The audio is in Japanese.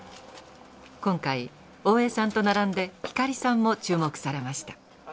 今回大江さんと並んで光さんも注目されました。